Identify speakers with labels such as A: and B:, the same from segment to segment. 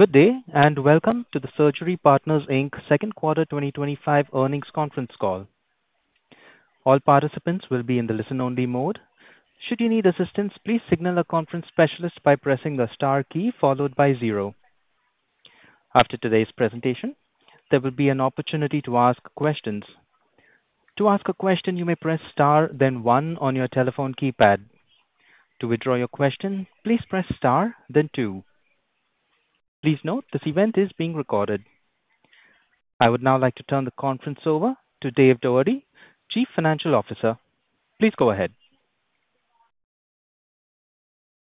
A: Good day and welcome to the Surgery Partners Inc. Second Quarter 2025 Earnings Conference Call. All participants will be in the listen-only mode. Should you need assistance, please signal a conference specialist by pressing the STAR key followed by zero. After today's presentation, there will be an opportunity to ask questions. To ask a question, you may press STAR, then one on your telephone keypad. To withdraw your question, please press STAR, then two. Please note this event is being recorded. I would now like to turn the conference over to Dave Doherty, Chief Financial Officer. Please go ahead.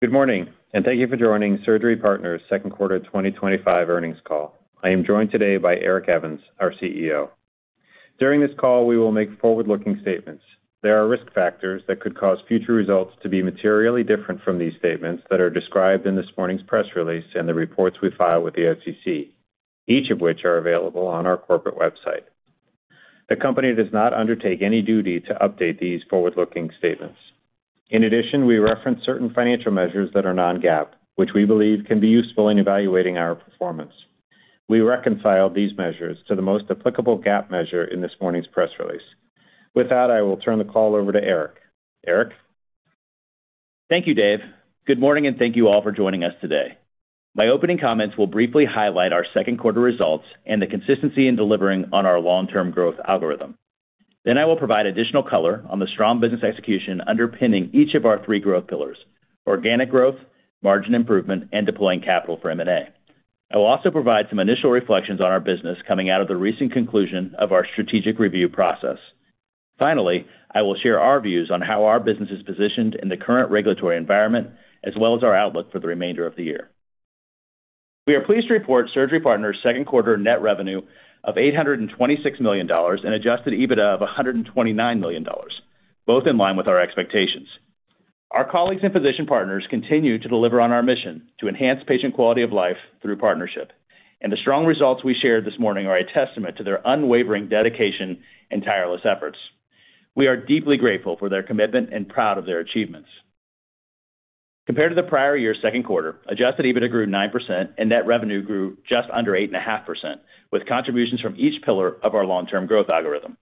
B: Good morning and thank you for joining Surgery Partners' Second Quarter 2025 Earnings Call. I am joined today by Eric Evans, our CEO. During this call, we will make forward-looking statements. There are risk factors that could cause future results to be materially different from these statements that are described in this morning's press release and the reports we file with the SEC, each of which are available on our corporate website. The company does not undertake any duty to update these forward-looking statements. In addition, we reference certain financial measures that are non-GAAP, which we believe can be useful in evaluating our performance. We reconcile these measures to the most applicable GAAP measure in this morning's press release. With that, I will turn the call over to Eric. Eric?
C: Thank you, Dave. Good morning and thank you all for joining us today. My opening comments will briefly highlight our second quarter results and the consistency in delivering on our long-term growth algorithm. I will provide additional color on the strong business execution underpinning each of our three growth pillars: Organic growth, Margin improvement, and Deploying capital for M&A. I will also provide some initial reflections on our business coming out of the recent conclusion of our strategic review process. Finally, I will share our views on how our business is positioned in the current regulatory environment, as well as our outlook for the remainder of the year. We are pleased to report Surgery Partners' second quarter net revenue of $826 million and adjusted EBITDA of $129 million, both in line with our expectations. Our colleagues and physician partners continue to deliver on our mission to enhance patient quality of life through partnership, and the strong results we shared this morning are a testament to their unwavering dedication and tireless efforts. We are deeply grateful for their commitment and proud of their achievements. Compared to the prior year's second quarter, adjusted EBITDA grew 9% and net revenue grew just under 8.5%, with contributions from each pillar of our long-term growth algorithm.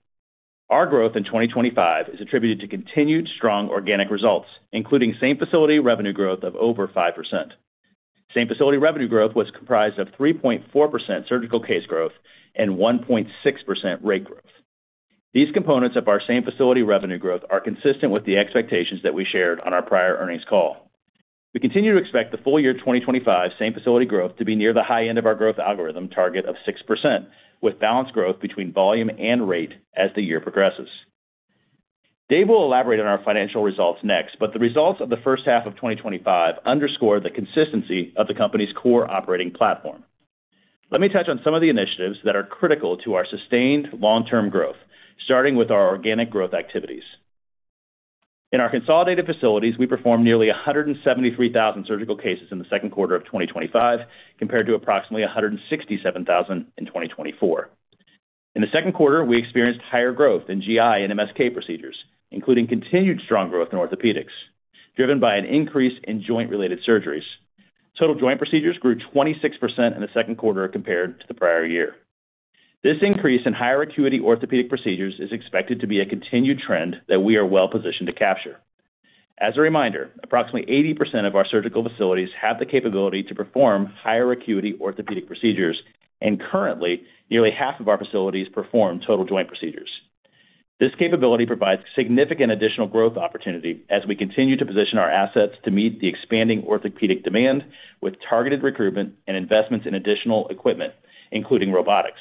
C: Our growth in 2025 is attributed to continued strong organic results, including same-facility revenue growth of over 5%. Same-facility revenue growth was comprised of 3.4% surgical case growth and 1.6% rate growth. These components of our same-facility revenue growth are consistent with the expectations that we shared on our prior earnings call. We continue to expect the full year 2025 same-facility growth to be near the high end of our growth algorithm target of 6%, with balanced growth between volume and rate as the year progresses. Dave will elaborate on our financial results next, but the results of the first half of 2025 underscore the consistency of the company's core operating platform. Let me touch on some of the initiatives that are critical to our sustained long-term growth, starting with our organic growth activities. In our consolidated facilities, we performed nearly 173,000 surgical cases in the second quarter of 2025, compared to approximately 167,000 in 2024. In the second quarter, we experienced higher growth in GI and MSK procedures, including continued strong growth in orthopedics, driven by an increase in joint-related surgeries. Total joint procedures grew 26% in the second quarter compared to the prior year. This increase in higher acuity orthopedic procedures is expected to be a continued trend that we are well positioned to capture. As a reminder, approximately 80% of our surgical facilities have the capability to perform higher acuity orthopedic procedures, and currently, nearly half of our facilities perform total joint procedures. This capability provides significant additional growth opportunity as we continue to position our assets to meet the expanding orthopedic demand with targeted recruitment and investments in additional equipment, including robotics.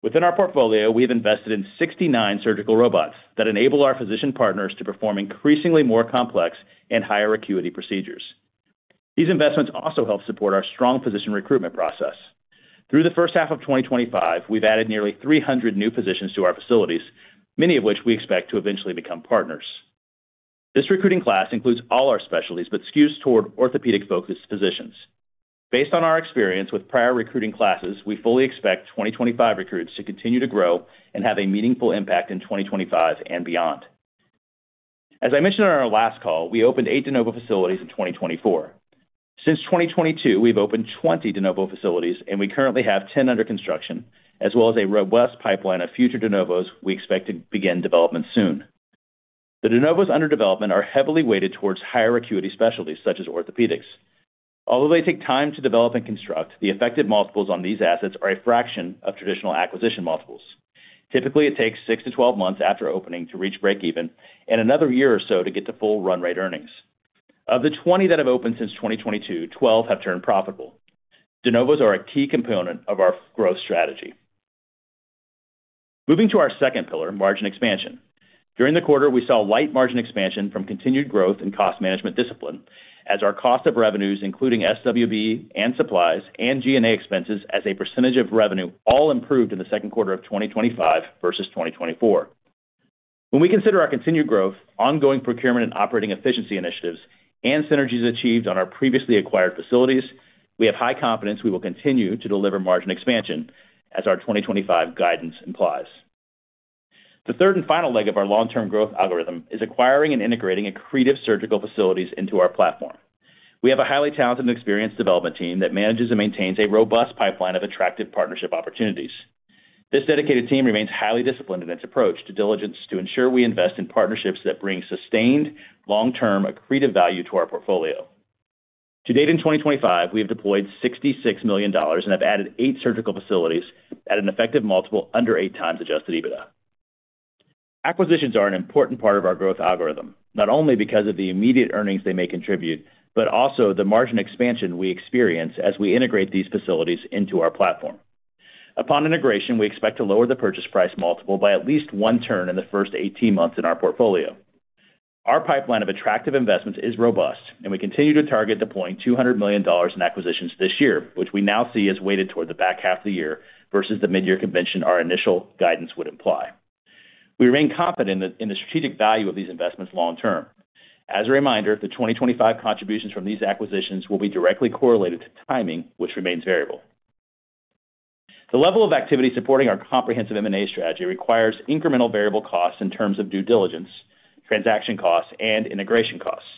C: Within our portfolio, we have invested in 69 surgical robots that enable our physician partners to perform increasingly more complex and higher acuity procedures. These investments also help support our strong physician recruitment process. Through the first half of 2025, we've added nearly 300 new physicians to our facilities, many of which we expect to eventually become partners. This recruiting class includes all our specialties, but skews toward orthopedic-focused physicians. Based on our experience with prior recruiting classes, we fully expect 2025 recruits to continue to grow and have a meaningful impact in 2025 and beyond. As I mentioned on our last call, we opened eight De Novo facilities in 2024. Since 2022, we've opened 20 De Novo facilities, and we currently have 10 under construction, as well as a robust pipeline of future De Novos we expect to begin development soon. The De Novos under development are heavily weighted towards higher acuity specialties, such as orthopedics. Although they take time to develop and construct, the effective multiples on these assets are a fraction of traditional acquisition multiples. Typically, it takes 6-12 months after opening to reach break even, and another year or so to get to full run-rate earnings. Of the 20 that have opened since 2022, 12 have turned profitable. De Novos are a key component of our growth strategy. Moving to our second pillar, margin expansion. During the quarter, we saw light margin expansion from continued growth in cost management discipline, as our cost of revenues, including SWB and supplies and G&A expenses as a percentage of revenue, all improved in the second quarter of 2025 vs 2024. When we consider our continued growth, ongoing procurement and operating efficiency initiatives, and synergies achieved on our previously acquired facilities, we have high confidence we will continue to deliver margin expansion, as our 2025 guidance implies. The third and final leg of our long-term growth algorithm is acquiring and integrating accretive surgical facilities into our platform. We have a highly talented and experienced development team that manages and maintains a robust pipeline of attractive partnership opportunities. This dedicated team remains highly disciplined in its approach to diligence to ensure we invest in partnerships that bring sustained, long-term accretive value to our portfolio. To date in 2025, we have deployed $66 million and have added eight surgical facilities at an effective multiple under eight times adjusted EBITDA. Acquisitions are an important part of our growth algorithm, not only because of the immediate earnings they may contribute, but also the margin expansion we experience as we integrate these facilities into our platform. Upon integration, we expect to lower the purchase price multiple by at least one turn in the first 18 months in our portfolio. Our pipeline of attractive investments is robust, and we continue to target deploying $200 million in acquisitions this year, which we now see as weighted toward the back half of the year versus the mid-year convention our initial guidance would imply. We remain confident in the strategic value of these investments long term. As a reminder, the 2025 contributions from these acquisitions will be directly correlated to timing, which remains variable. The level of activity supporting our comprehensive M&A strategy requires incremental variable costs in terms of due diligence, transaction costs, and integration costs.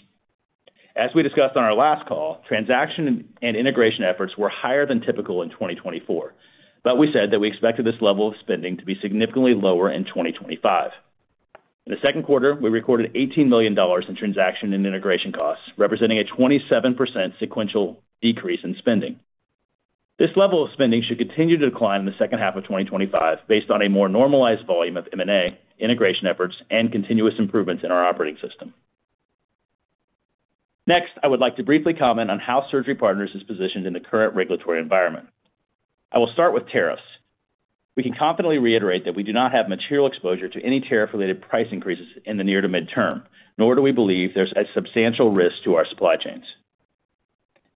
C: As we discussed on our last call, transaction and integration efforts were higher than typical in 2024, but we said that we expected this level of spending to be significantly lower in 2025. In the second quarter, we recorded $18 million in transaction and integration costs, representing a 27% sequential decrease in spending. This level of spending should continue to decline in the second half of 2025 based on a more normalized volume of M&A, integration efforts, and continuous improvements in our operating system. Next, I would like to briefly comment on how Surgery Partners is positioned in the current regulatory environment. I will start with tariffs. We can confidently reiterate that we do not have material exposure to any tariff-related price increases in the near to mid-term, nor do we believe there's a substantial risk to our supply chains.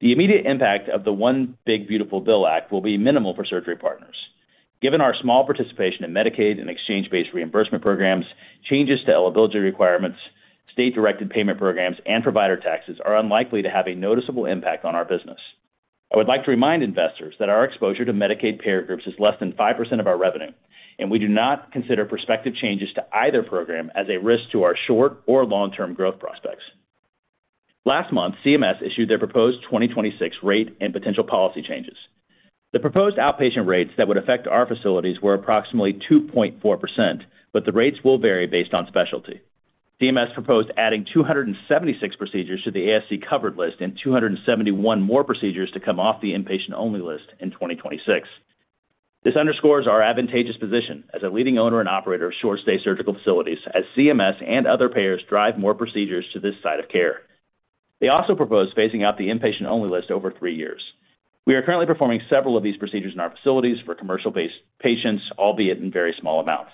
C: The immediate impact of the One Big Beautiful Bill Act will be minimal for Surgery Partners. Given our small participation in Medicaid and exchange-based reimbursement programs, changes to eligibility requirements, state-directed payment programs, and provider taxes are unlikely to have a noticeable impact on our business. I would like to remind investors that our exposure to Medicaid payer groups is less than 5% of our revenue, and we do not consider prospective changes to either program as a risk to our short or long-term growth prospects. Last month, CMS issued their proposed 2026 rate and potential policy changes. The proposed outpatient rates that would affect our facilities were approximately 2.4%, but the rates will vary based on specialty. CMS proposed adding 276 procedures to the ASC covered list and 271 more procedures to come off the inpatient-only list in 2026. This underscores our advantageous position as a leading owner and operator of short-stay surgical facilities, as CMS and other payers drive more procedures to this side of care. They also propose phasing out the inpatient-only list over three years. We are currently performing several of these procedures in our facilities for commercial-based patients, albeit in very small amounts.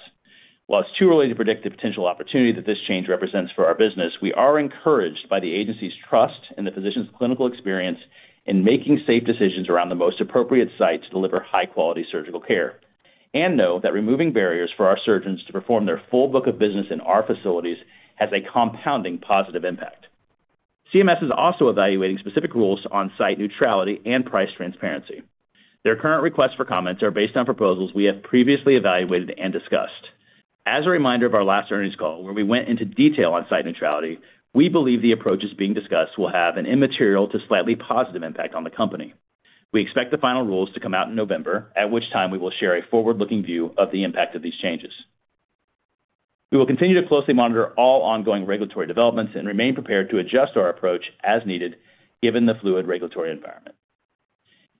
C: While it's too early to predict the potential opportunity that this change represents for our business, we are encouraged by the agency's trust in the physician's clinical experience in making safe decisions around the most appropriate site to deliver high-quality surgical care, and know that removing barriers for our surgeons to perform their full book of business in our facilities has a compounding positive impact. CMS is also evaluating specific rules on site neutrality and price transparency. Their current requests for comments are based on proposals we have previously evaluated and discussed. As a reminder of our last earnings call, where we went into detail on site neutrality, we believe the approaches being discussed will have an immaterial to slightly positive impact on the company. We expect the final rules to come out in November, at which time we will share a forward-looking view of the impact of these changes. We will continue to closely monitor all ongoing regulatory developments and remain prepared to adjust our approach as needed, given the fluid regulatory environment.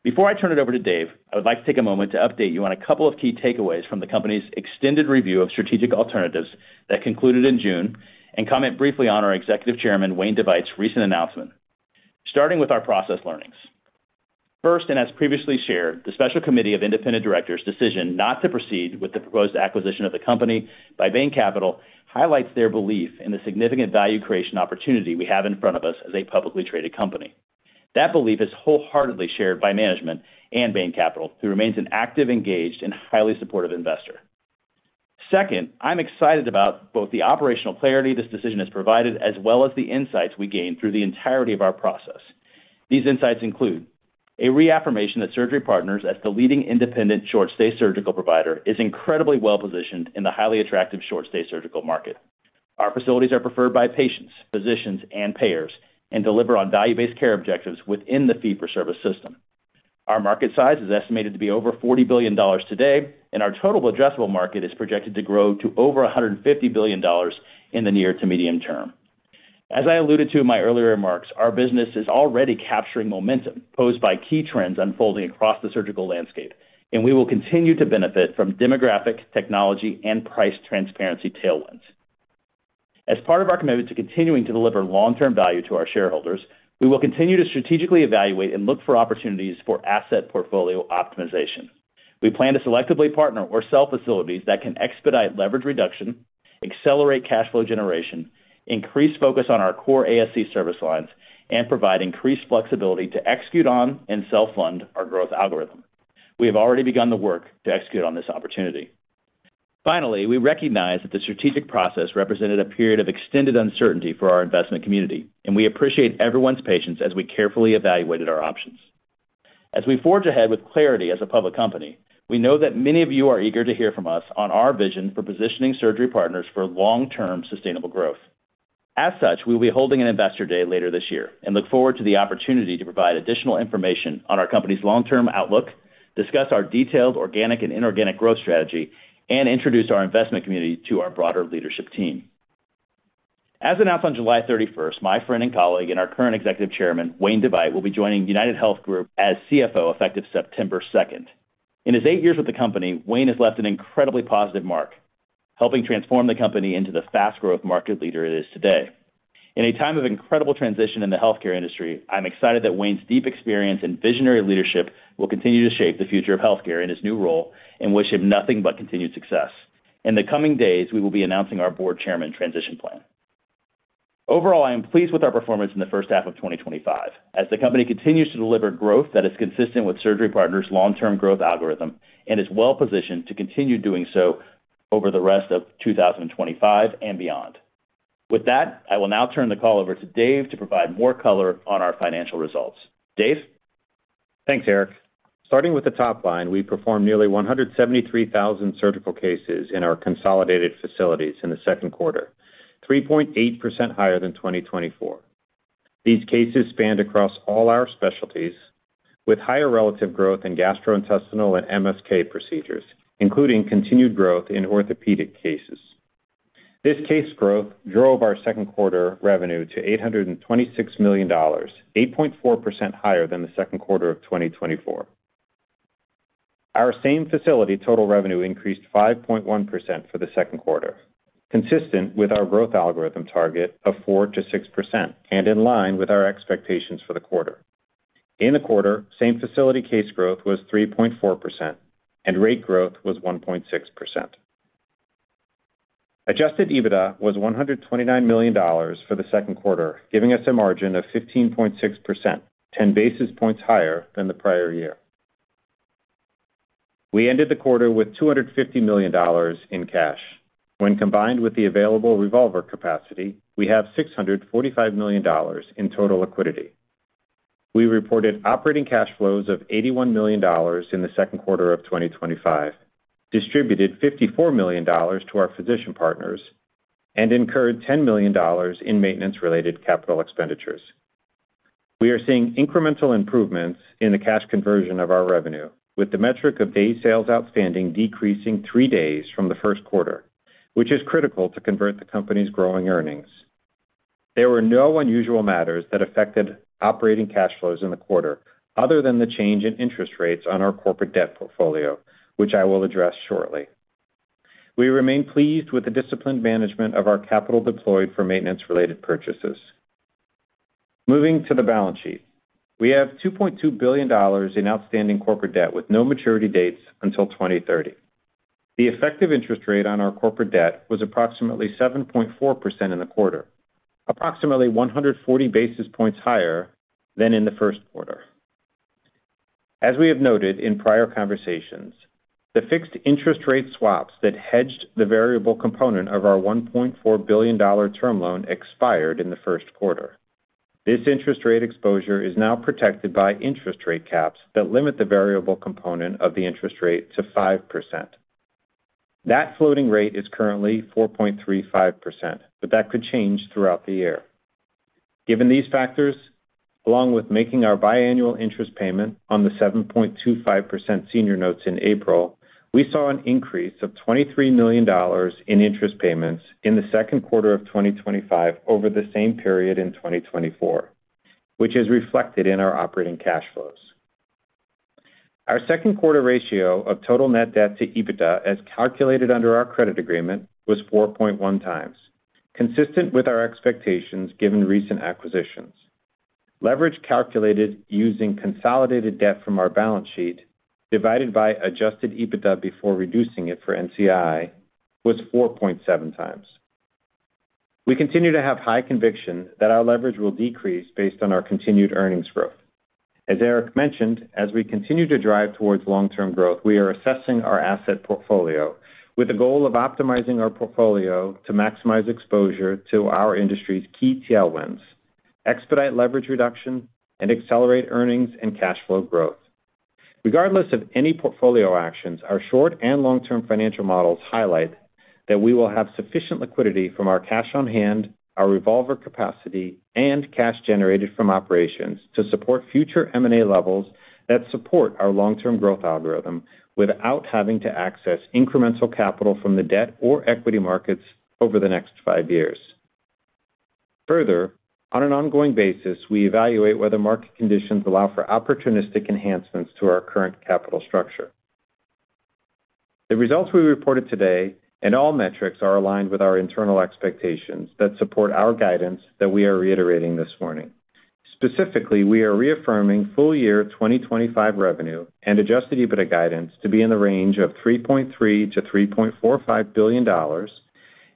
C: Before I turn it over to Dave, I would like to take a moment to update you on a couple of key takeaways from the company's extended review of strategic alternatives that concluded in June, and comment briefly on our Executive Chairman Wayne DeVeydt's recent announcement. Starting with our process learnings. First, and as previously shared, the Special Committee of Independent Directors' decision not to proceed with the proposed acquisition of the company by Bain Capital highlights their belief in the significant value creation opportunity we have in front of us as a publicly traded company. That belief is wholeheartedly shared by management and Bain Capital, who remains an active, engaged, and highly supportive investor. Second, I'm excited about both the operational clarity this decision has provided, as well as the insights we gained through the entirety of our process. These insights include a reaffirmation that Surgery Partners, as the leading independent short-stay surgical provider, is incredibly well positioned in the highly attractive short-stay surgical market. Our facilities are preferred by patients, physicians, and payers, and deliver on value-based care objectives within the fee-for-service system. Our market size is estimated to be over $40 billion today, and our total addressable market is projected to grow to over $150 billion in the near to medium term. As I alluded to in my earlier remarks, our business is already capturing momentum posed by key trends unfolding across the surgical landscape, and we will continue to benefit from demographic, technology, and price transparency tailwinds. As part of our commitment to continuing to deliver long-term value to our shareholders, we will continue to strategically evaluate and look for opportunities for asset portfolio optimization. We plan to selectively partner or sell facilities that can expedite leverage reduction, accelerate cash flow generation, increase focus on our core ASC service lines, and provide increased flexibility to execute on and self-fund our growth algorithm. We have already begun the work to execute on this opportunity. Finally, we recognize that the strategic process represented a period of extended uncertainty for our investment community, and we appreciate everyone's patience as we carefully evaluated our options. As we forge ahead with clarity as a public company, we know that many of you are eager to hear from us on our vision for positioning Surgery Partners for long-term sustainable growth. As such, we will be holding an investor day later this year and look forward to the opportunity to provide additional information on our company's long-term outlook, discuss our detailed organic and inorganic growth strategy, and introduce our investment community to our broader leadership team. As announced on July 31, my friend and colleague and our current Executive Chairman, Wayne DeVeydt, will be joining UnitedHealth Group as CFO effective September 2. In his eight years with the company, Wayne has left an incredibly positive mark, helping transform the company into the fast-growth market leader it is today. In a time of incredible transition in the healthcare industry, I'm excited that Wayne's deep experience and visionary leadership will continue to shape the future of healthcare in his new role, and wish him nothing but continued success. In the coming days, we will be announcing our Board Chairman transition plan. Overall, I am pleased with our performance in the first half of 2025, as the company continues to deliver growth that is consistent with Surgery Partners' long-term growth algorithm and is well positioned to continue doing so over the rest of 2025 and beyond. With that, I will now turn the call over to Dave to provide more color on our financial results. Dave?
B: Thanks, Eric. Starting with the top line, we performed nearly 173,000 surgical cases in our consolidated facilities in the second quarter, 3.8% higher than 2024. These cases spanned across all our specialties, with higher relative growth in Gastrointestinal and MSK procedures, including continued growth in Orthopedic cases. This case growth drove our second quarter revenue to $826 million, 8.4% higher than the second quarter of 2024. Our same-facility total revenue increased 5.1% for the second quarter, consistent with our growth algorithm target of 4%-6% and in line with our expectations for the quarter. In the quarter, same-facility case growth was 3.4% and rate growth was 1.6%. Adjusted EBITDA was $129 million for the second quarter, giving us a margin of 15.6%, 10 basis points higher than the prior year. We ended the quarter with $250 million in cash. When combined with the available revolver capacity, we have $645 million in total liquidity. We reported operating cash flows of $81 million in the second quarter of 2025, distributed $54 million to our physician partners, and incurred $10 million in maintenance-related capital expenditures. We are seeing incremental improvements in the cash conversion of our revenue, with the metric of day sales outstanding decreasing three days from the first quarter, which is critical to convert the company's growing earnings. There were no unusual matters that affected operating cash flows in the quarter other than the change in interest rates on our corporate debt portfolio, which I will address shortly. We remain pleased with the disciplined management of our capital deployed for maintenance-related purchases. Moving to the balance sheet, we have $2.2 billion in outstanding corporate debt with no maturity dates until 2030. The effective interest rate on our corporate debt was approximately 7.4% in the quarter, approximately 140 basis points higher than in the first quarter. As we have noted in prior conversations, the fixed interest rate swaps that hedged the variable component of our $1.4 billion term loan expired in the first quarter. This interest rate exposure is now protected by interest rate caps that limit the variable component of the interest rate to 5%. That floating rate is currently 4.35%, but that could change throughout the year. Given these factors, along with making our biannual interest payment on the 7.25% senior notes in April, we saw an increase of $23 million in interest payments in the second quarter of 2025 over the same period in 2024, which is reflected in our operating cash flows. Our second quarter ratio of total net debt to EBITDA, as calculated under our credit agreement, was 4.1x, consistent with our expectations given recent acquisitions. Leverage calculated using consolidated debt from our balance sheet, divided by adjusted EBITDA before reducing it for NCI, was 4.7x. We continue to have high conviction that our leverage will decrease based on our continued earnings growth. As Eric mentioned, as we continue to drive towards long-term growth, we are assessing our asset portfolio with the goal of optimizing our portfolio to maximize exposure to our industry's key tailwinds, expedite leverage reduction, and accelerate earnings and cash flow growth. Regardless of any portfolio actions, our short and long-term financial models highlight that we will have sufficient liquidity from our cash on hand, our revolver capacity, and cash generated from operations to support future M&A levels that support our long-term growth algorithm without having to access incremental capital from the debt or equity markets over the next five years. Further, on an ongoing basis, we evaluate whether market conditions allow for opportunistic enhancements to our current capital structure. The results we reported today and all metrics are aligned with our internal expectations that support our guidance that we are reiterating this morning. Specifically, we are reaffirming full-year 2025 revenue and adjusted EBITDA guidance to be in the range of $3.3 billion-$3.45 billion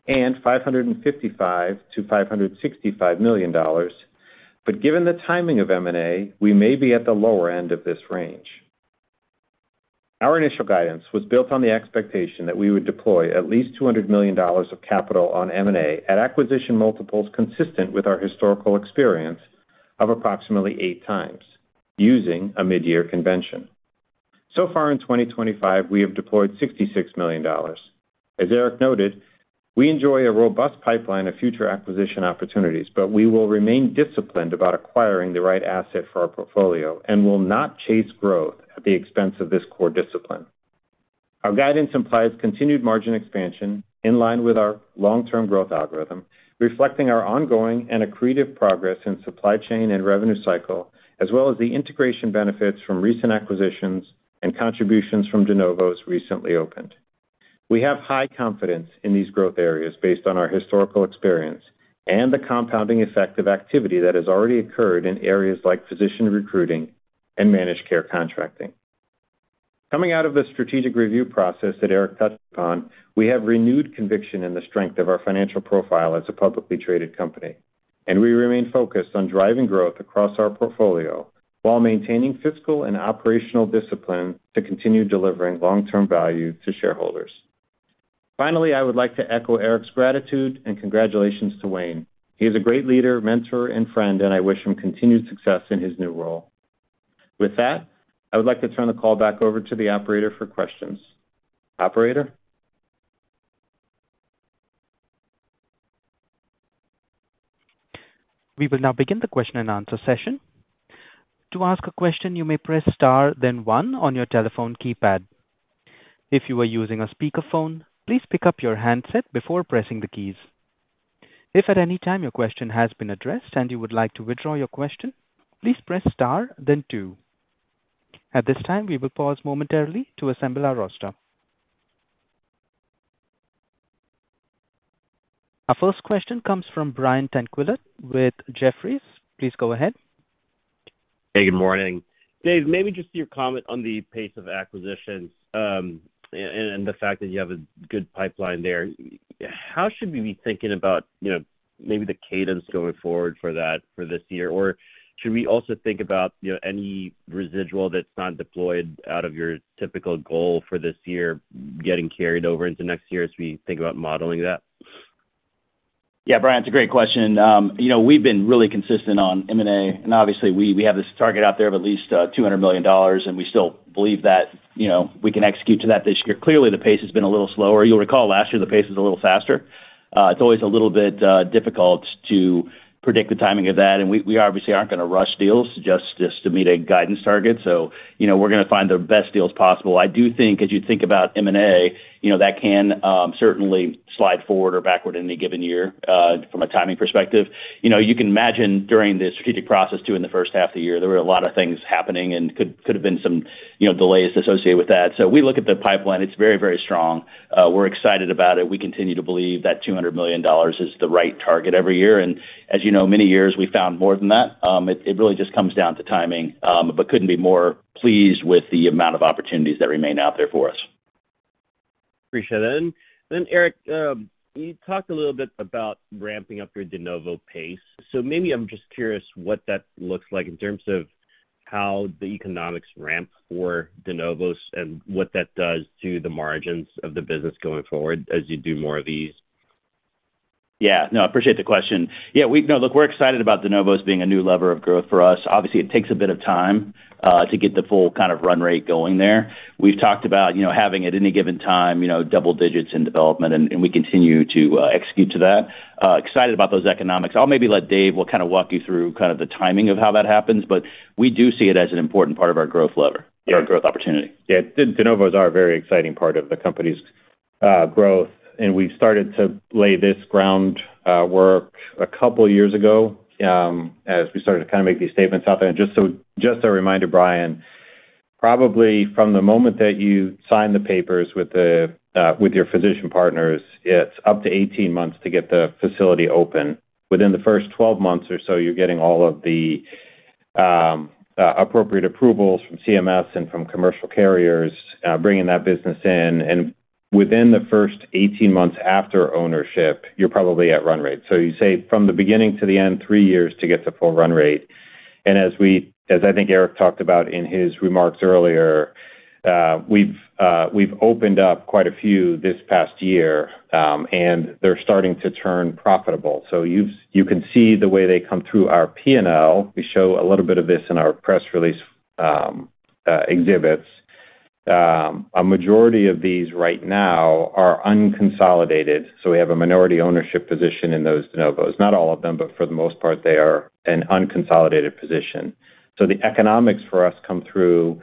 B: and $555 million-$565 million, but given the timing of M&A, we may be at the lower end of this range. Our initial guidance was built on the expectation that we would deploy at least $200 million of capital on M&A at acquisition multiples consistent with our historical experience of approximately 8x, using a mid-year convention. So far in 2025, we have deployed $66 million. As Eric noted, we enjoy a robust pipeline of future acquisition opportunities, but we will remain disciplined about acquiring the right asset for our portfolio and will not chase growth at the expense of this core discipline. Our guidance implies continued margin expansion in line with our long-term growth algorithm, reflecting our ongoing and accretive progress in supply chain and revenue cycle, as well as the integration benefits from recent acquisitions and contributions from De Novos recently opened. We have high confidence in these growth areas based on our historical experience and the compounding effect of activity that has already occurred in areas like physician recruiting and managed care contracting. Coming out of the strategic review process that Eric touched upon, we have renewed conviction in the strength of our financial profile as a publicly traded company, and we remain focused on driving growth across our portfolio while maintaining fiscal and operational discipline to continue delivering long-term value to shareholders. Finally, I would like to echo Eric's gratitude and congratulations to Wayne. He is a great leader, mentor, and friend, and I wish him continued success in his new role. With that, I would like to turn the call back over to the operator for questions. Operator?
A: We will now begin the question and answer session. To ask a question, you may press STAR, then one on your telephone keypad. If you are using a speakerphone, please pick up your handset before pressing the keys. If at any time your question has been addressed and you would like to withdraw your question, please press STAR, then two. At this time, we will pause momentarily to assemble our roster. Our first question comes from Brian Tanquilut with Jefferies. Please go ahead.
D: Hey, good morning. Dave, maybe just your comment on the pace of acquisitions and the fact that you have a good pipeline there. How should we be thinking about, you know, maybe the cadence going forward for that for this year, or should we also think about, you know, any residual that's not deployed out of your typical goal for this year getting carried over into next year as we think about modeling that?
C: Yeah, Brian, it's a great question. We've been really consistent on M&A, and obviously we have this target out there of at least $200 million, and we still believe that we can execute to that this year. Clearly, the pace has been a little slower. You'll recall last year the pace was a little faster. It's always a little bit difficult to predict the timing of that, and we obviously aren't going to rush deals just to meet a guidance target. We're going to find the best deals possible. I do think as you think about M&A, that can certainly slide forward or backward in any given year from a timing perspective. You can imagine during the strategic process too in the first half of the year, there were a lot of things happening and could have been some delays associated with that. We look at the pipeline, it's very, very strong. We're excited about it. We continue to believe that $200 million is the right target every year, and as you know, many years we found more than that. It really just comes down to timing, but couldn't be more pleased with the amount of opportunities that remain out there for us.
D: Appreciate it. Eric, you talked a little bit about ramping up your De Novo pace. I'm just curious what that looks like in terms of how the economics ramp for De Novos and what that does to the margins of the business going forward as you do more of these.
C: Yeah, no, I appreciate the question. We're excited about De Novos being a new lever of growth for us. Obviously, it takes a bit of time to get the full kind of run rate going there. We've talked about having, at any given time, double digits in development, and we continue to execute to that. Excited about those economics. I'll maybe let Dave kind of walk you through the timing of how that happens, but we do see it as an important part of our growth lever, our growth opportunity.
B: Yeah, De Novos are a very exciting part of the company's growth, and we've started to lay this groundwork a couple of years ago as we started to kind of make these statements out there. Just a reminder, Brian, probably from the moment that you sign the papers with your physician partners, it's up to 18 months to get the facility open. Within the first 12 months or so, you're getting all of the appropriate approvals from CMS and from commercial carriers, bringing that business in. Within the first 18 months after ownership, you're probably at run rate. You say from the beginning to the end, three years to get the full run rate. As I think Eric talked about in his remarks earlier, we've opened up quite a few this past year, and they're starting to turn profitable. You can see the way they come through our P&L. We show a little bit of this in our press release exhibits. A majority of these right now are unconsolidated. We have a minority ownership position in those De Novos. Not all of them, but for the most part, they are an unconsolidated position. The economics for us come through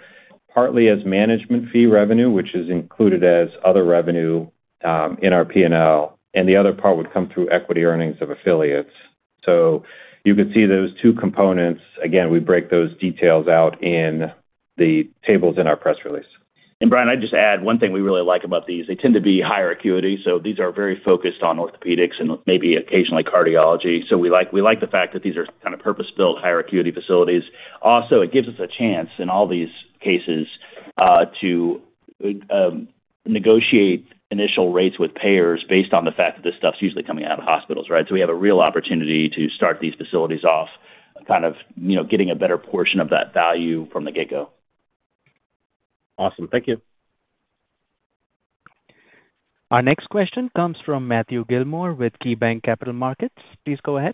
B: partly as management fee revenue, which is included as other revenue in our P&L, and the other part would come through equity earnings of affiliates. You could see those two components. Again, we break those details out in the tables in our press release.
C: Brian, I'd just add one thing we really like about these. They tend to be higher acuity, so these are very focused on orthopedics and maybe occasionally cardiology. We like the fact that these are kind of purpose-built higher acuity facilities. Also, it gives us a chance in all these cases to negotiate initial rates with payers based on the fact that this stuff's usually coming out of hospitals, right? We have a real opportunity to start these facilities off, kind of, you know, getting a better portion of that value from the get-go.
D: Awesome, thank you.
A: Our next question comes from Matthew Gillmor with KeyBanc Capital Markets. Please go ahead.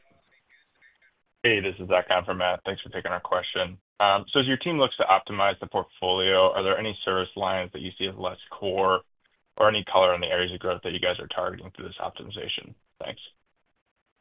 E: Hey, this is Zach on for Matt. Thanks for taking our question. As your team looks to optimize the portfolio, are there any service lines that you see as less core, or any color on the areas of growth that you guys are targeting through this optimization? Thanks.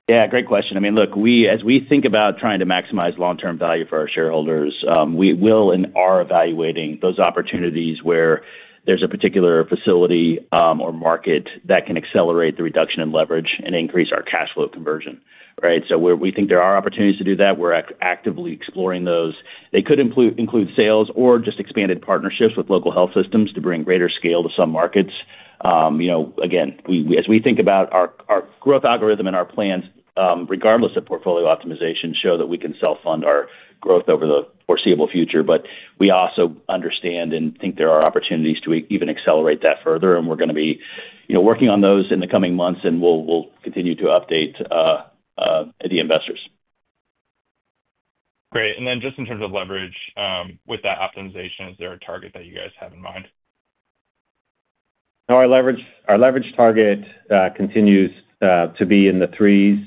C: Yeah, great question. I mean, look, as we think about trying to maximize long-term value for our shareholders, we will and are evaluating those opportunities where there's a particular facility or market that can accelerate the reduction in leverage and increase our cash flow conversion, right? We think there are opportunities to do that. We're actively exploring those. They could include sales or just expanded partnerships with local health systems to bring greater scale to some markets. Again, as we think about our growth algorithm and our plans, regardless of portfolio optimization, they show that we can self-fund our growth over the foreseeable future. We also understand and think there are opportunities to even accelerate that further, and we're going to be working on those in the coming months, and we'll continue to update the investors.
E: Great. In terms of leverage with that optimization, is there a target that you guys have in mind?
B: Our leverage target continues to be in the threes.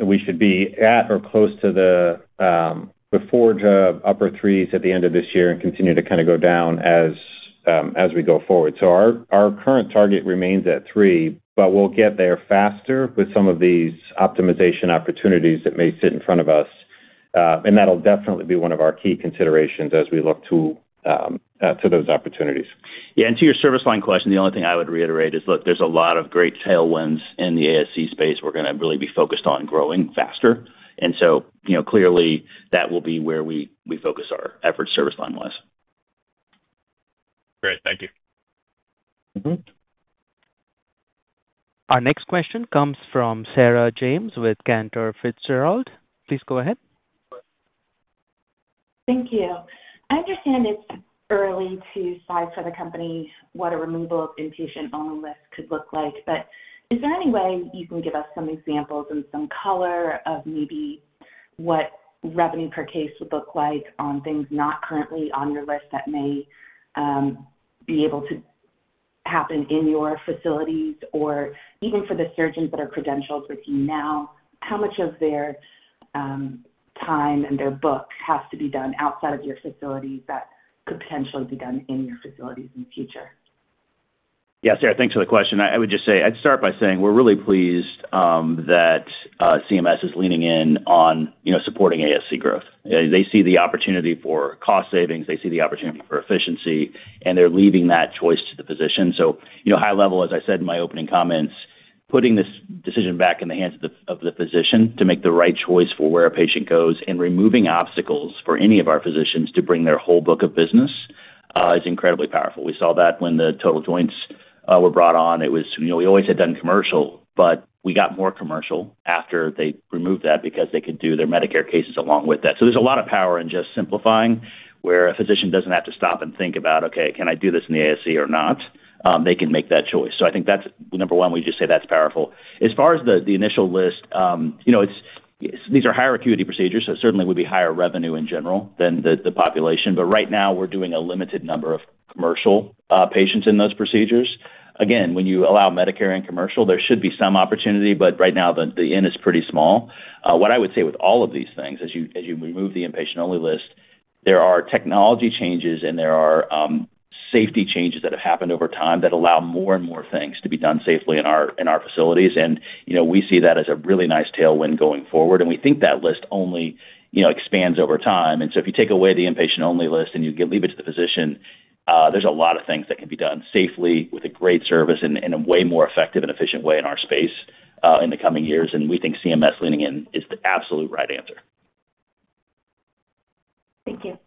B: We should be at or close to the before-to-upper threes at the end of this year and continue to go down as we go forward. Our current target remains at three, but we'll get there faster with some of these optimization opportunities that may sit in front of us. That'll definitely be one of our key considerations as we look to those opportunities.
C: Yeah, and to your service line question, the only thing I would reiterate is, look, there's a lot of great tailwinds in the ASC space. We're going to really be focused on growing faster. You know, clearly that will be where we focus our efforts service line-wise.
E: Great, thank you.
A: Our next question comes from Sarah James with Cantor Fitzgerald. Please go ahead.
F: Thank you. I understand it's early to decide for the company what a removal of inpatient-only list could look like, but is there any way you can give us some examples and some color of maybe what revenue per case would look like on things not currently on your list that may be able to happen in your facilities or even for the surgeons that are credentialed with you now? How much of their time and their books have to be done outside of your facilities that could potentially be done in your facilities in the future?
C: Yeah, Sarah, thanks for the question. I would just say I'd start by saying we're really pleased that CMS is leaning in on supporting ASC growth. They see the opportunity for cost savings, they see the opportunity for efficiency, and they're leaving that choice to the physician. High level, as I said in my opening comments, putting this decision back in the hands of the physician to make the right choice for where a patient goes and removing obstacles for any of our physicians to bring their whole book of business is incredibly powerful. We saw that when the total joint procedures were brought on. We always had done commercial, but we got more commercial after they removed that because they could do their Medicare cases along with that. There's a lot of power in just simplifying where a physician doesn't have to stop and think about, okay, can I do this in the ASC or not? They can make that choice. I think that's number one, we just say that's powerful. As far as the initial list, these are higher acuity procedures, so it certainly would be higher revenue in general than the population, but right now we're doing a limited number of commercial patients in those procedures. Again, when you allow Medicare and commercial, there should be some opportunity, but right now the in is pretty small. What I would say with all of these things, as you remove the inpatient-only list, there are technology changes and there are safety changes that have happened over time that allow more and more things to be done safely in our facilities. We see that as a really nice tailwind going forward. We think that list only expands over time. If you take away the inpatient-only list and you leave it to the physician, there's a lot of things that can be done safely with a great service and in a way more effective and efficient way in our space in the coming years. We think CMS leaning in is the absolute right answer.
F: Thank you.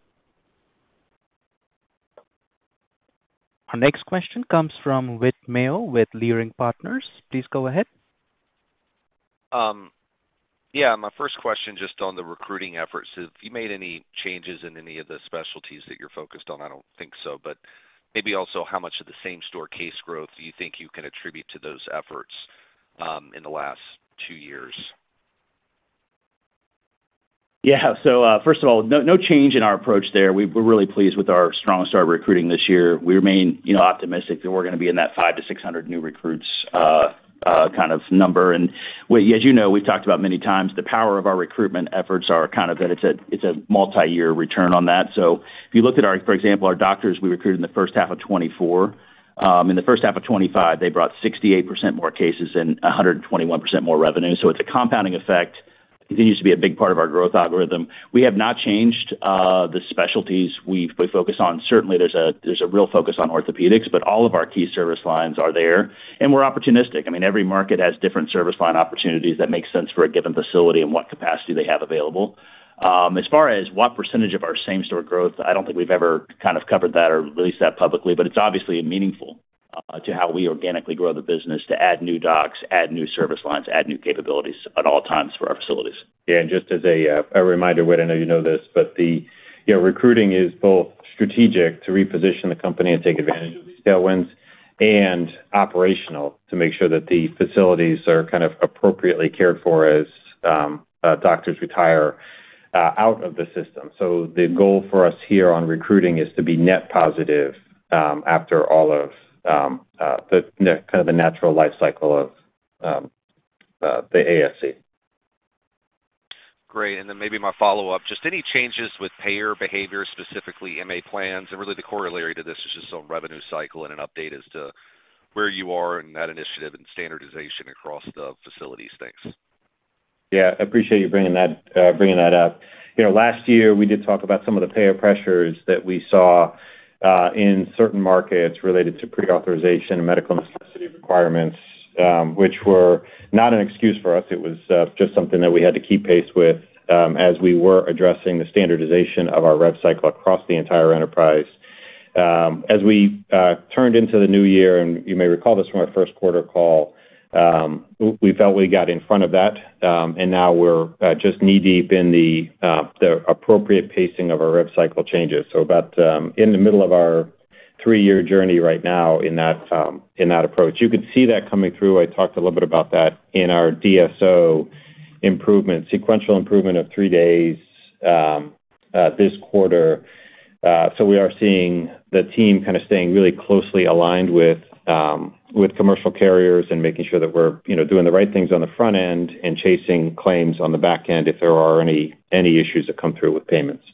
A: Our next question comes from Whit Mayo with Leerink Partners. Please go ahead.
G: Yeah, my first question just on the recruiting efforts. Have you made any changes in any of the specialties that you're focused on? I don't think so, but maybe also how much of the same-facility case growth do you think you can attribute to those efforts in the last two years?
C: Yeah, first of all, no change in our approach there. We're really pleased with our strong start recruiting this year. We remain, you know, optimistic that we're going to be in that 500-600 new recruits kind of number. As you know, we've talked about many times the power of our recruitment efforts is that it's a multi-year return on that. If you look at our, for example, our doctors we recruit in the first half of 2024, in the first half of 2025, they brought 68% more cases and 121% more revenue. It's a compounding effect. It continues to be a big part of our growth algorithm. We have not changed the specialties we focus on. Certainly, there's a real focus on orthopedics, but all of our key service lines are there. We're opportunistic. Every market has different service line opportunities that make sense for a given facility and what capacity they have available. As far as what percentage of our same-facility growth, I don't think we've ever covered that or released that publicly, but it's obviously meaningful to how we organically grow the business to add new docs, add new service lines, add new capabilities at all times for our facilities.
B: Yeah, and just as a reminder, Whit, I know you know this, but the recruiting is both strategic to reposition the company and take advantage of these tailwinds and operational to make sure that the facilities are appropriately cared for as doctors retire out of the system. The goal for us here on recruiting is to be net positive after all of the natural life cycle of the ASC.
G: Great, and then maybe my follow-up, just any changes with payer behavior, specifically MA plans, and really the corollary to this is just on revenue cycle and an update as to where you are in that initiative and standardization across the facilities. Thanks.
B: Yeah, I appreciate you bringing that up. Last year we did talk about some of the payer pressures that we saw in certain markets related to pre-authorization and medical and specialty requirements, which were not an excuse for us. It was just something that we had to keep pace with as we were addressing the standardization of our rev cycle across the entire enterprise. As we turned into the new year, and you may recall this from our first quarter call, we felt we got in front of that, and now we're just knee-deep in the appropriate pacing of our rev cycle changes. About in the middle of our three-year journey right now in that approach, you could see that coming through. I talked a little bit about that in our DSO improvement, sequential improvement of three days this quarter. We are seeing the team kind of staying really closely aligned with commercial carriers and making sure that we're doing the right things on the front end and chasing claims on the back end if there are any issues that come through with payments.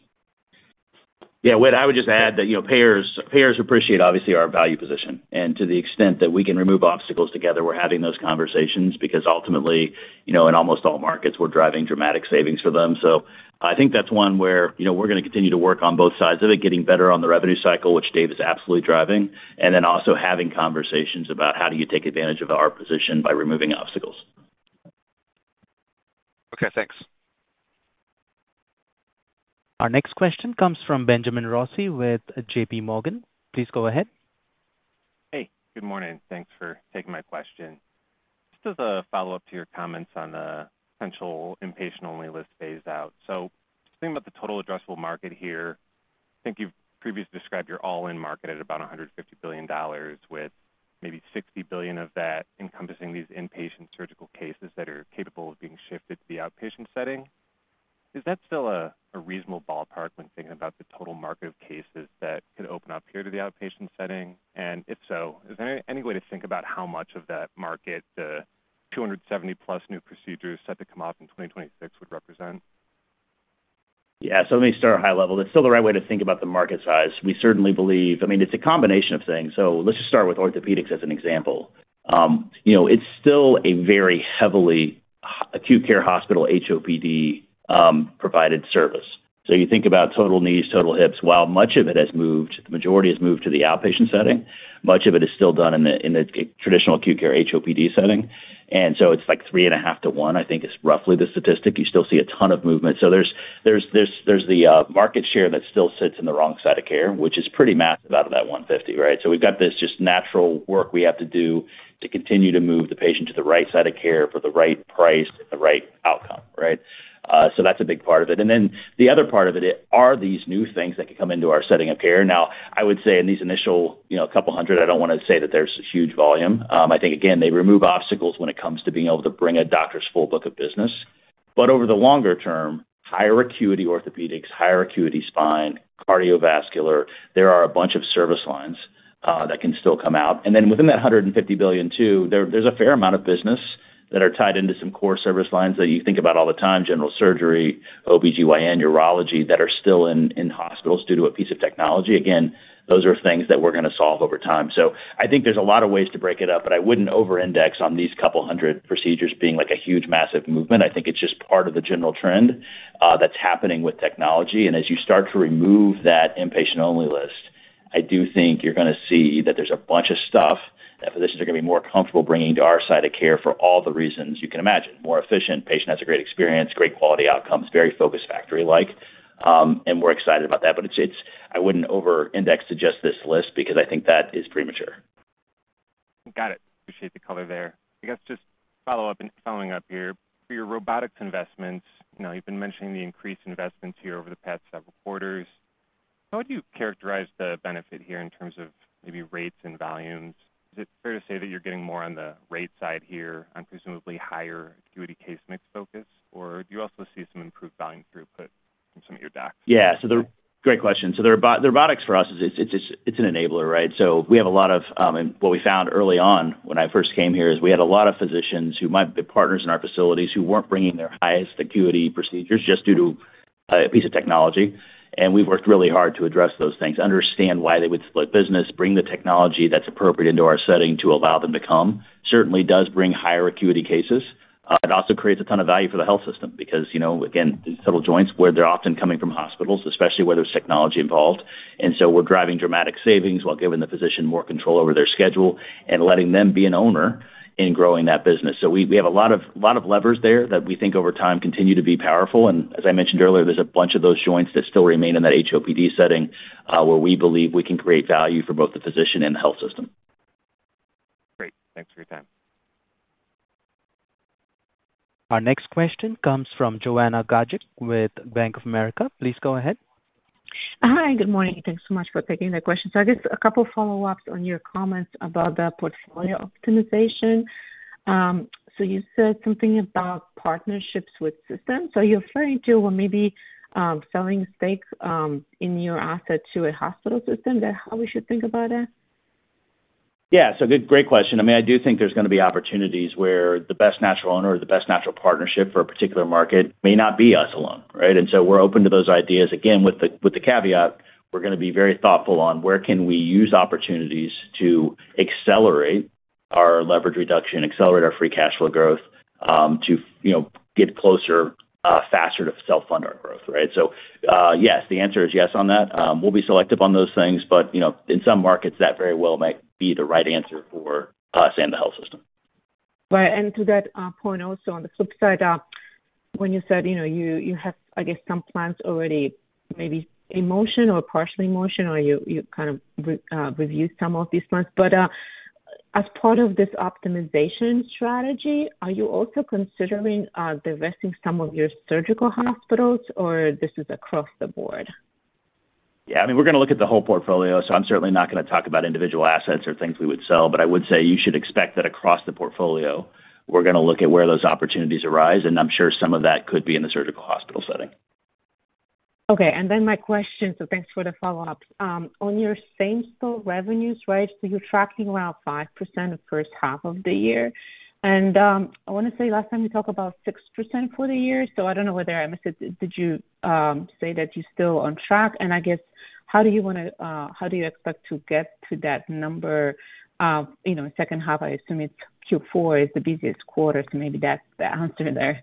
C: Yeah, Whit, I would just add that payers appreciate obviously our value position. To the extent that we can remove obstacles together, we're having those conversations because ultimately, you know, in almost all markets, we're driving dramatic savings for them. I think that's one where, you know, we're going to continue to work on both sides of it, getting better on the revenue cycle, which Dave is absolutely driving, and then also having conversations about how do you take advantage of our position by removing obstacles.
G: Okay, thanks.
A: Our next question comes from Benjamin Rossi with JPMorgan. Please go ahead.
H: Hey, good morning. Thanks for taking my question. Just as a follow-up to your comments on the potential inpatient-only list phase out. Thinking about the total addressable market here, I think you've previously described your all-in market at about $150 billion with maybe $60 billion of that encompassing these inpatient surgical cases that are capable of being shifted to the outpatient setting. Is that still a reasonable ballpark when thinking about the total market of cases that could open up here to the outpatient setting? If so, is there any way to think about how much of that market, the 270+ new procedures set to come out in 2026, would represent?
C: Yeah, let me start high level. It's still the right way to think about the market size. We certainly believe it's a combination of things. Let's just start with orthopedics as an example. You know, it's still a very heavily acute care hospital, HOPD-provided service. You think about total knees, total hips, while much of it has moved, the majority has moved to the outpatient setting. Much of it is still done in the traditional acute care HOPD setting. It's like three and a half to one, I think is roughly the statistic. You still see a ton of movement. There's the market share that still sits in the wrong side of care, which is pretty massive out of that $150 billion, right? We've got this just natural work we have to do to continue to move the patient to the right side of care for the right price and the right outcome, right? That's a big part of it. The other part of it is these new things that can come into our setting of care. I would say in these initial, you know, a couple hundred, I don't want to say that there's a huge volume. I think, again, they remove obstacles when it comes to being able to bring a doctor's full book of business. Over the longer term, higher acuity orthopedics, higher acuity spine, cardiovascular, there are a bunch of service lines that can still come out. Within that $150 billion too, there's a fair amount of business that is tied into some core service lines that you think about all the time, general surgery, OB-GYN, urology that are still in hospitals due to a piece of technology. Again, those are things that we're going to solve over time. I think there's a lot of ways to break it up, but I wouldn't over-index on these couple hundred procedures being like a huge massive movement. I think it's just part of the general trend that's happening with technology. As you start to remove that inpatient-only list, I do think you're going to see that there's a bunch of stuff that physicians are going to be more comfortable bringing to our side of care for all the reasons you can imagine. More efficient, patient has a great experience, great quality outcomes, very focused factory-like, and we're excited about that. I wouldn't over-index to just this list because I think that is premature.
H: Got it. Appreciate the color there. I guess just following up here for your robotics investments, you've been mentioning the increased investments here over the past several quarters. How would you characterize the benefit here in terms of maybe rates and volumes? Is it fair to say that you're getting more on the rate side here on presumably higher acuity case mix focus, or do you also see some improved volume throughput in some of your docs?
C: Yeah, great question. The robotics for us is an enabler, right? We have a lot of, and what we found early on when I first came here is we had a lot of physicians who might be partners in our facilities who weren't bringing their highest acuity procedures just due to a piece of technology. We've worked really hard to address those things, understand why they would split business, and bring the technology that's appropriate into our setting to allow them to come. It certainly does bring higher acuity cases. It also creates a ton of value for the health system because, you know, again, these total joints where they're often coming from hospitals, especially where there's technology involved. We're driving dramatic savings while giving the physician more control over their schedule and letting them be an owner in growing that business. We have a lot of levers there that we think over time continue to be powerful. As I mentioned earlier, there's a bunch of those joints that still remain in that HOPD setting where we believe we can create value for both the physician and the health system.
H: Great. Thanks for your time.
A: Our next question comes from Joanna Gajuk with Bank of America. Please go ahead.
I: Hi, good morning. Thanks so much for taking the question. I guess a couple of follow-ups on your comments about the portfolio optimization. You said something about partnerships with systems. Are you referring to when maybe selling stakes in your asset to a hospital system? Is that how we should think about it?
C: Yeah, great question. I do think there's going to be opportunities where the best natural owner or the best natural partnership for a particular market may not be us alone, right? We're open to those ideas. Again, with the caveat, we're going to be very thoughtful on where we can use opportunities to accelerate our leverage reduction, accelerate our free cash flow growth to get closer faster to self-fund our growth, right? Yes, the answer is yes on that. We'll be selective on those things, but in some markets, that very well might be the right answer for us and the health system.
I: Right. To that point, also, on the flip side, when you said, you have, I guess, some plans already, maybe in motion or partially in motion, or you kind of reviewed some of these plans. As part of this optimization strategy, are you also considering divesting some of your surgical hospitals, or is this across the board?
C: Yeah, I mean, we're going to look at the whole portfolio, so I'm certainly not going to talk about individual assets or things we would sell, but I would say you should expect that across the portfolio, we're going to look at where those opportunities arise, and I'm sure some of that could be in the surgical hospital setting.
I: Okay, my question, thanks for the follow-up. On your same-store revenues, right, you're tracking around 5% for the first half of the year, and I want to say last time you talked about 6% for the year. I don't know whether I missed it. Did you say that you're still on track? I guess, how do you want to, how do you expect to get to that number, you know, second half? I assume it's Q4 is the busiest quarter, maybe that's the answer there.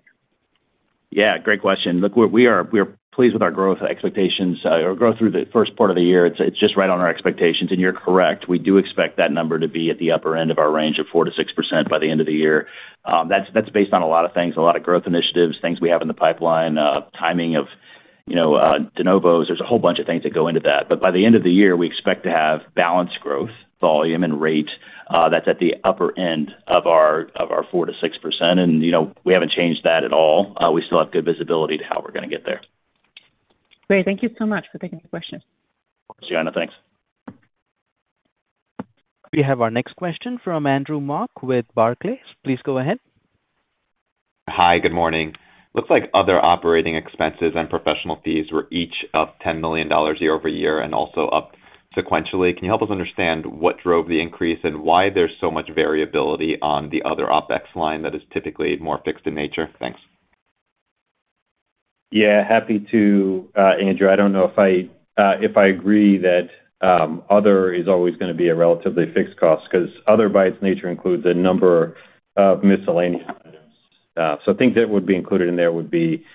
C: Yeah, great question. Look, we are pleased with our growth expectations, or growth through the first part of the year. It's just right on our expectations, and you're correct. We do expect that number to be at the upper end of our range of 4%-6% by the end of the year. That's based on a lot of things, a lot of growth initiatives, things we have in the pipeline, timing of De Novos. There are a whole bunch of things that go into that. By the end of the year, we expect to have balanced growth, volume, and rate that's at the upper end of our 4%-6%, and you know, we haven't changed that at all. We still have good visibility to how we're going to get there.
I: Great, thank you so much for taking the question.
C: Joanna, thanks.
A: We have our next question from Andrew Mok with Barclays. Please go ahead.
J: Hi, good morning. Looks like other operating expenses and professional fees were each up $10 million year-over-year and also up sequentially. Can you help us understand what drove the increase and why there's so much variability on the other OpEx line that is typically more fixed in nature? Thanks.
B: Yeah, happy to, Andrew. I don't know if I agree that other is always going to be a relatively fixed cost because other by its nature includes a number of miscellaneous items. Things that would be included in there would be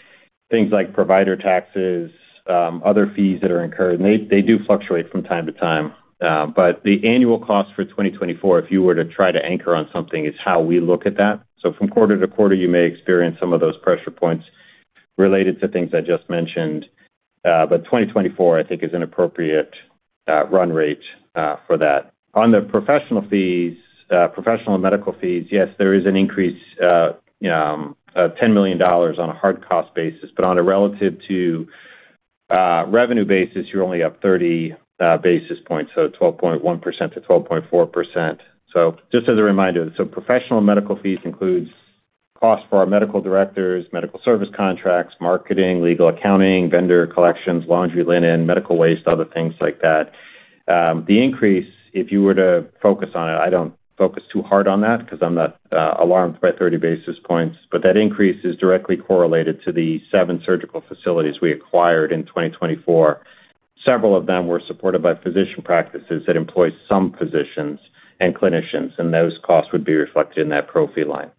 B: things like provider taxes, other fees that are incurred, and they do fluctuate from time-to-time. The annual cost for 2024, if you were to try to anchor on something, is how we look at that. From quarter-to-quarter, you may experience some of those pressure points related to things I just mentioned. 2024, I think, is an appropriate run rate for that. On the professional fees, professional and medical fees, yes, there is an increase of $10 million on a hard cost basis, but on a relative to revenue basis, you're only up 30 basis points, so 12.1%-12.4%. Just as a reminder, professional and medical fees include costs for our medical directors, medical service contracts, marketing, legal accounting, vendor collections, laundry, linen, medical waste, other things like that. The increase, if you were to focus on it, I don't focus too hard on that because I'm not alarmed by 30 basis points, but that increase is directly correlated to the seven surgical facilities we acquired in 2024. Several of them were supported by physician practices that employ some physicians and clinicians, and those costs would be reflected in that pro-fee line.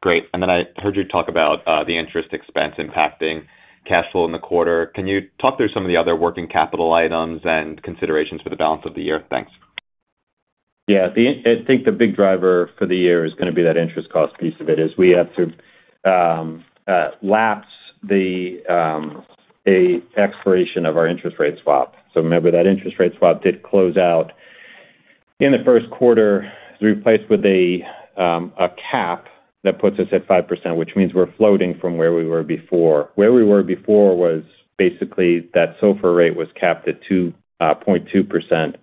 J: Great. I heard you talk about the interest expense impacting cash flow in the quarter. Can you talk through some of the other working capital items and considerations for the balance of the year? Thanks.
B: Yeah, I think the big driver for the year is going to be that interest cost piece of it, as we have to lapse the expiration of our interest rate swap. Remember that interest rate swap did close out in the first quarter, as we replaced with a cap that puts us at 5%, which means we're floating from where we were before. Where we were before was basically that SOFR rate was capped at 2.2%.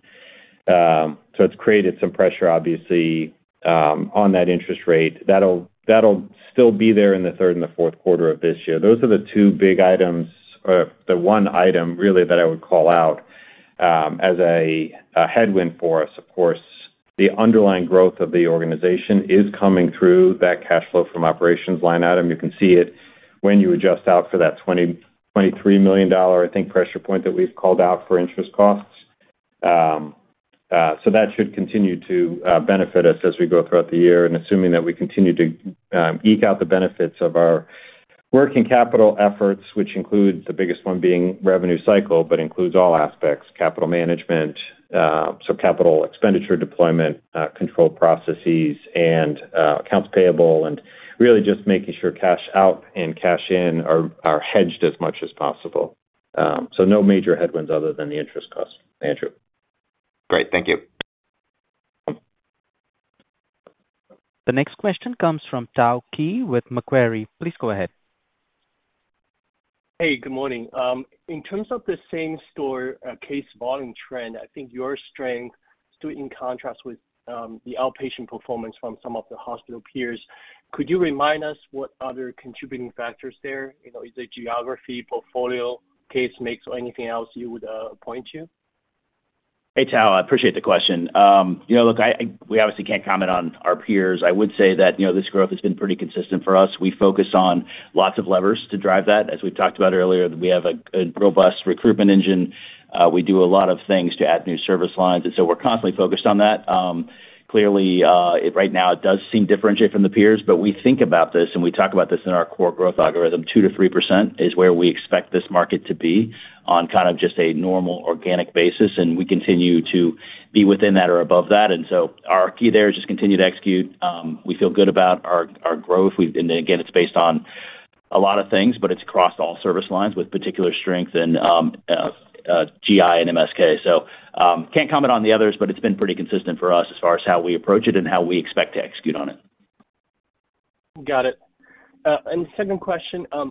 B: It's created some pressure, obviously, on that interest rate. That'll still be there in the third and the fourth quarter of this year. Those are the two big items, or the one item really that I would call out as a headwind for us. Of course, the underlying growth of the organization is coming through that cash flow from operations line item. You can see it when you adjust out for that $23 million, I think, pressure point that we've called out for interest costs. That should continue to benefit us as we go throughout the year, and assuming that we continue to eke out the benefits of our working capital efforts, which include the biggest one being revenue cycle, but includes all aspects: capital management, capital expenditure deployment, controlled processes, and accounts payable, and really just making sure cash out and cash in are hedged as much as possible. No major headwinds other than the interest cost, Andrew.
J: Great, thank you.
A: The next question comes from Tao Qiu with Macquarie. Please go ahead.
K: Hey, good morning. In terms of the same-facility case volume trend, I think your strength is too in contrast with the outpatient performance from some of the hospital peers. Could you remind us what other contributing factors are there? You know, is it geography, portfolio, case mix, or anything else you would point to?
C: Hey, Tao, I appreciate the question. You know, look, we obviously can't comment on our peers. I would say that, you know, this growth has been pretty consistent for us. We focus on lots of levers to drive that. As we've talked about earlier, we have a robust recruitment engine. We do a lot of things to add new service lines, and we're constantly focused on that. Clearly, right now it does seem differentiated from the peers, but we think about this, and we talk about this in our core growth algorithm. 2%-3% is where we expect this market to be on kind of just a normal organic basis, and we continue to be within that or above that. Our key there is just continue to execute. We feel good about our growth. We've been, again, it's based on a lot of things, but it's across all service lines with particular strength in GI and MSK. Can't comment on the others, but it's been pretty consistent for us as far as how we approach it and how we expect to execute on it.
K: Got it.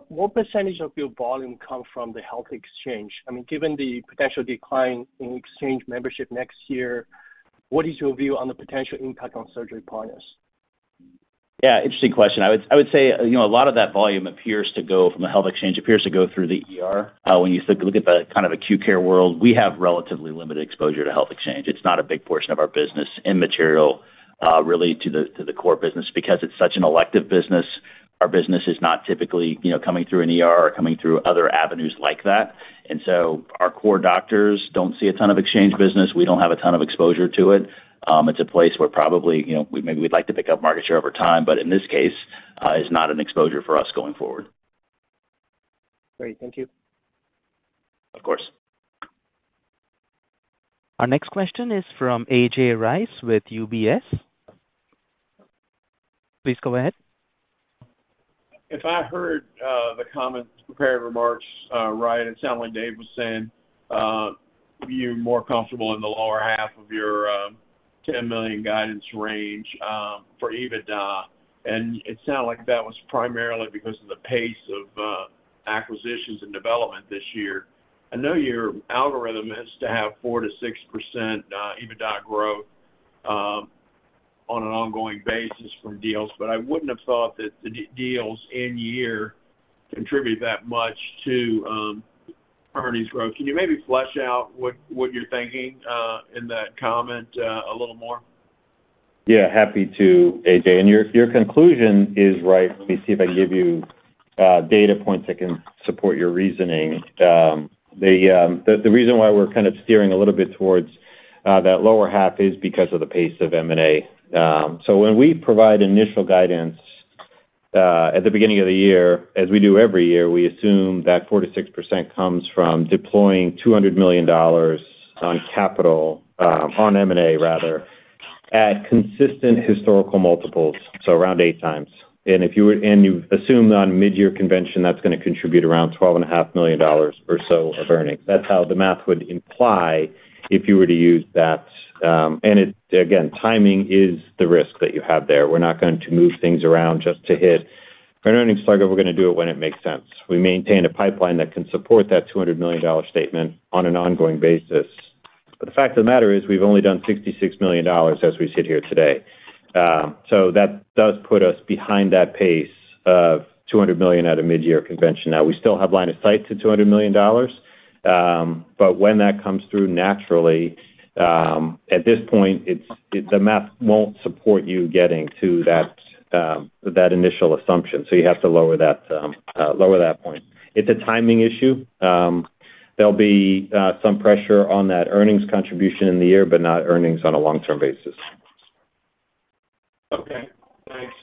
K: What percentage of your volume comes from the health exchange? I mean, given the potential decline in exchange membership next year, what is your view on the potential impact on Surgery Partners?
C: Yeah, interesting question. I would say a lot of that volume appears to go from the health exchange, appears to go through the, when you look at the kind of acute care world, we have relatively limited exposure to health exchange. It's not a big portion of our business, immaterial really to the core business because it's such an elective business. Our business is not typically coming through an or coming through other avenues like that. Our core doctors don't see a ton of exchange business. We don't have a ton of exposure to it. It's a place where probably, maybe we'd like to pick up market share over time, but in this case, it's not an exposure for us going forward.
K: Great, thank you.
C: Of course.
A: Our next question is from A.J. Rice with UBS. Please go ahead.
L: If I heard the comments, prepared remarks, right, it sounded like Dave was saying you're more comfortable in the lower half of your $10 million guidance range for EBITDA, and it sounded like that was primarily because of the pace of acquisitions and development this year. I know your algorithm is to have 4%-6% EBITDA growth on an ongoing basis from deals, but I wouldn't have thought that the deals in year contribute that much to earnings growth. Can you maybe flesh out what you're thinking in that comment a little more?
B: Yeah, happy to, A.J. And your conclusion is right. Let me see if I can give you data points that can support your reasoning. The reason why we're kind of steering a little bit towards that lower half is because of the pace of M&A. When we provide initial guidance at the beginning of the year, as we do every year, we assume that 4%-6% comes from deploying $200 million on capital, on M&A rather, at consistent historical multiples, so around 8x. If you assume on mid-year convention, that's going to contribute around $12.5 million or so of earnings. That's how the math would imply if you were to use that. Timing is the risk that you have there. We're not going to move things around just to hit an earnings target. We're going to do it when it makes sense. We maintain a pipeline that can support that $200 million statement on an ongoing basis. The fact of the matter is we've only done $66 million as we sit here today. That does put us behind that pace of $200 million at a mid-year convention. We still have line of sight to $200 million, but when that comes through naturally, at this point, the math won't support you getting to that initial assumption. You have to lower that point. It's a timing issue. There'll be some pressure on that earnings contribution in the year, but not earnings on a long-term basis.
L: Okay, thanks.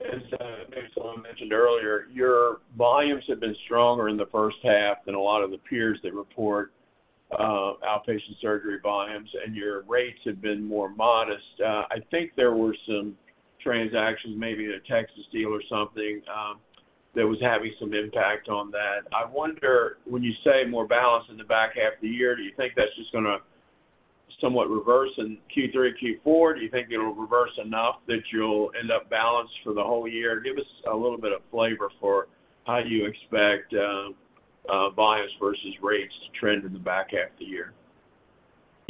L: As maybe someone mentioned earlier, your volumes have been stronger in the first half than a lot of the peers that report outpatient surgery volumes, and your rates have been more modest. I think there were some transactions, maybe a Texas deal or something, that was having some impact on that. When you say more balance in the back half of the year, do you think that's just going to somewhat reverse in Q3, Q4? Do you think it'll reverse enough that you'll end up balanced for the whole year? Give us a little bit of flavor for how you expect volumes versus rates to trend in the back half of the year.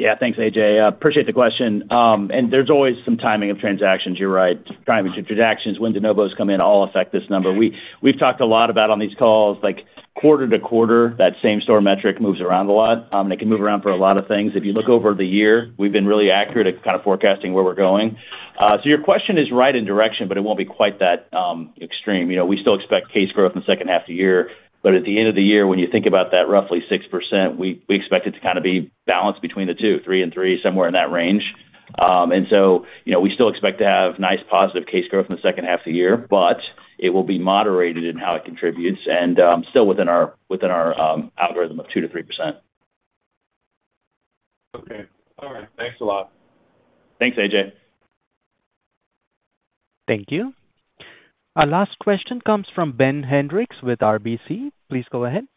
C: Yeah, thanks, A.J. Appreciate the question. There's always some timing of transactions, you're right. Timing of transactions, when De Novos come in, all affect this number. We've talked a lot about on these calls, like quarter-to-quarter, that same-store metric moves around a lot. It can move around for a lot of things. If you look over the year, we've been really accurate at kind of forecasting where we're going. Your question is right in direction, but it won't be quite that extreme. We still expect case growth in the second half of the year, but at the end of the year, when you think about that roughly 6%, we expect it to kind of be balanced between the two, three and three, somewhere in that range. We still expect to have nice positive case growth in the second half of the year, but it will be moderated in how it contributes and still within our algorithm of 2%-3%.
L: Okay, all right, thanks a lot.
C: Thanks, A.J.
A: Thank you. Our last question comes from Ben Hendrix with RBC. Please go ahead.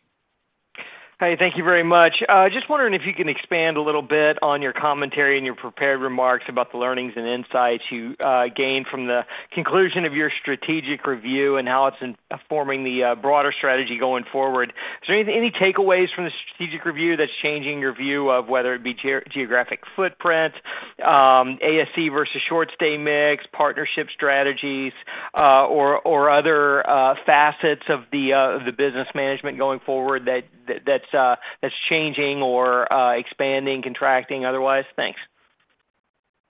M: Hey, thank you very much. Just wondering if you can expand a little bit on your commentary and your prepared remarks about the learnings and insights you gained from the conclusion of your strategic review and how it's informing the broader strategy going forward. Is there any takeaways from the strategic review that's changing your view of whether it be geographic footprint, ASC versus short-stay mix, partnership strategies, or other facets of the business management going forward that's changing or expanding, contracting, otherwise? Thanks.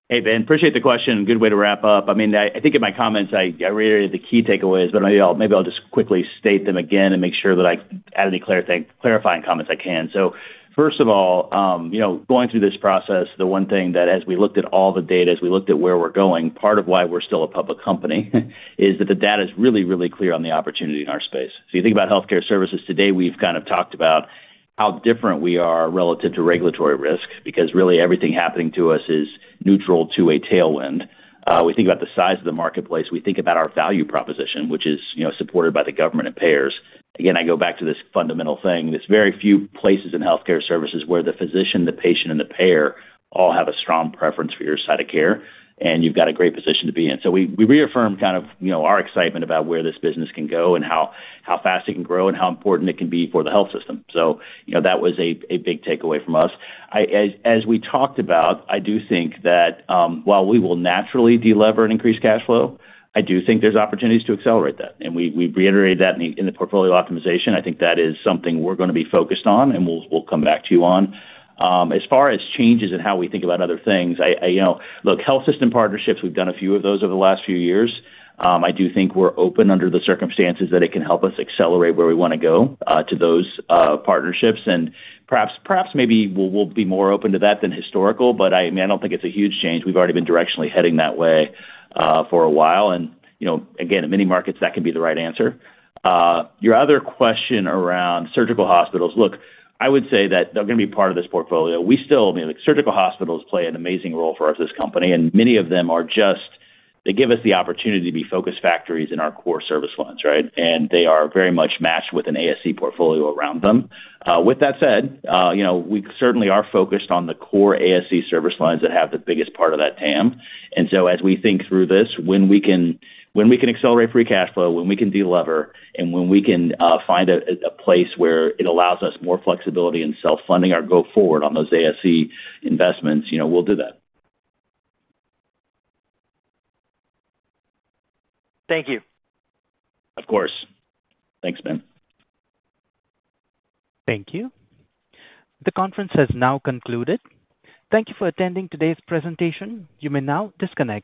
C: Hey, Ben, appreciate the question. Good way to wrap up. I think in my comments, I reiterated the key takeaways, but maybe I'll just quickly state them again and make sure that I add any clarifying comments I can. First of all, going through this process, the one thing that as we looked at all the data, as we looked at where we're going, part of why we're still a public company is that the data is really, really clear on the opportunity in our space. You think about healthcare services today, we've kind of talked about how different we are relative to regulatory risk because really everything happening to us is neutral to a tailwind. We think about the size of the marketplace. We think about our value proposition, which is supported by the government and payers. Again, I go back to this fundamental thing. There's very few places in healthcare services where the physician, the patient, and the payer all have a strong preference for your side of care, and you've got a great position to be in. We reaffirm kind of our excitement about where this business can go and how fast it can grow and how important it can be for the health system. That was a big takeaway from us. As we talked about, I do think that while we will naturally delever and increase cash flow, I do think there's opportunities to accelerate that. We reiterated that in the portfolio optimization. I think that is something we're going to be focused on and we'll come back to you on. As far as changes in how we think about other things, look, health system partnerships, we've done a few of those over the last few years. I do think we're open under the circumstances that it can help us accelerate where we want to go to those partnerships. Perhaps maybe we'll be more open to that than historical, but I don't think it's a huge change. We've already been directionally heading that way for a while. In many markets, that can be the right answer. Your other question around surgical hospitals, I would say that they're going to be part of this portfolio. We still, I mean, surgical hospitals play an amazing role for us as a company, and many of them are just, they give us the opportunity to be focused factories in our core service lines, right? They are very much matched with an ASC portfolio around them. With that said, we certainly are focused on the core ASC service lines that have the biggest part of that TAM. As we think through this, when we can accelerate free cash flow, when we can delever, and when we can find a place where it allows us more flexibility in self-funding our go forward on those ASC investments, we'll do that.
M: Thank you.
C: Of course. Thanks, Ben.
A: Thank you. The conference has now concluded. Thank you for attending today's presentation. You may now disconnect.